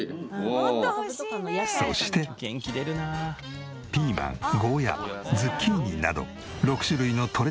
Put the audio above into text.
そしてピーマンゴーヤズッキーニなど６種類のとれたて野菜を炒め。